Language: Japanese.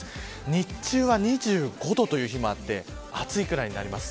日中は２５度という日もあって暑いぐらいになります。